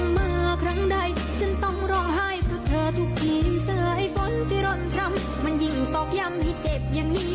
มันยิ่งตกยำให้เจ็บอย่างนี้